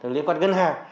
liên quan ngân hàng